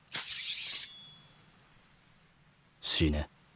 死ね。